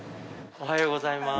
おはようございます。